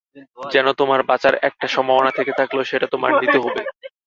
Gen, তোমার বাঁচার একটা সম্ভাবনা থেকে থাকলেও সেটা তোমার নিতে হবে।